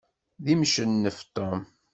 D imcennef Tom.